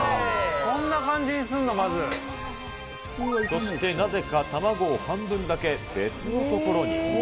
そして、なぜか卵を半分だけ別の所に。